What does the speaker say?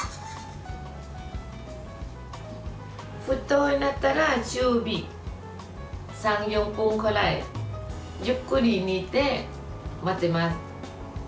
沸騰したら中火３４分くらいじっくり煮て、混ぜます。